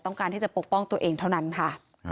ต้องการที่จะปกป้องตัวเองเท่านั้นค่ะ